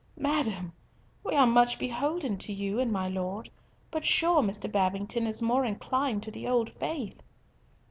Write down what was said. "Madam, we are much beholden to you and my Lord, but sure Mr. Babington is more inclined to the old faith."